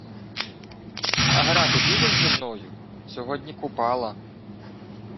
— А грати підеш зі мною? Сьогодні Купала.